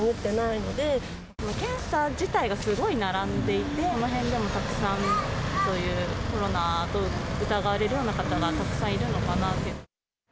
検査自体がすごい並んでいて、この辺でもたくさん、そういうコロナと疑われるような方がたくさんいるのかなっていう。